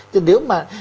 thì nếu mà